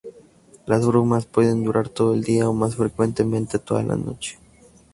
Las brumas pueden durar todo el día o, más frecuentemente, toda la noche.